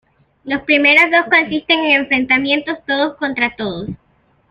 Los primeros dos consisten en enfrentamientos todos contra todos.